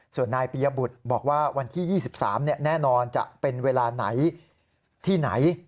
ส่วนนายปียบุตรบอกว่าวันที่๒๓แน่นอนจะเป็นเวลาไหนที่ไหน